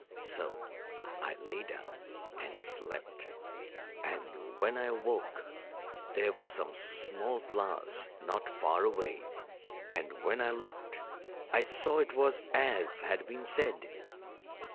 So I lay down and slept. And when I awoke there were some small flowers not far away; and when I looked I saw it was as had been said.